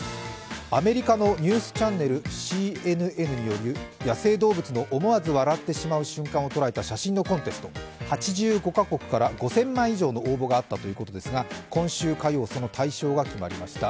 アメリカのニュースチャンネルＣＮＮによる野生動物の思わず笑ってしまう写真のコンテスト、８５か国から５０００枚以上の応募があったということですが今週火曜、その大賞が決まりました